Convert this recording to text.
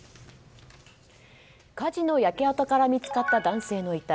火事の焼け跡から見つかった男性の遺体。